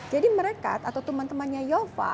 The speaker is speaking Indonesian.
jadi mereka atau temen temennya yofa